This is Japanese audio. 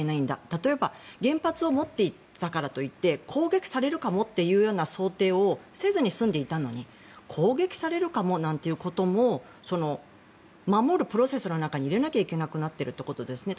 例えば、原発を持っていたからといって攻撃されるかもというような想定をせずに済んでいたのに攻撃されるかもなんてことを守るプロセスの中に入れなきゃいけなくなっているということですね。